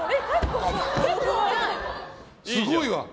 すごいわ。